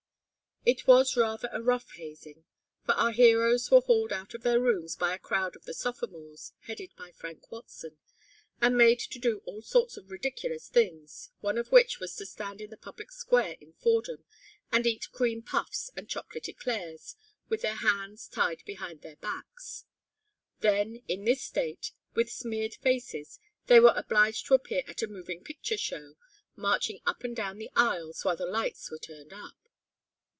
It was rather a rough hazing, for our heroes were hauled out of their rooms by a crowd of the sophomores, headed by Frank Watson, and made to do all sorts of ridiculous things, one of which was to stand in the public square in Fordham and eat cream puffs and chocolate eclaires with their hands tied behind their backs. Then, in this state, with smeared faces, they were obliged to appear at a moving picture show, marching up and down the aisles while the lights were turned up.